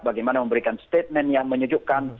bagaimana memberikan statement yang menyejukkan